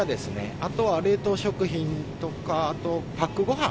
あとは冷凍食品とかあとパックごはん。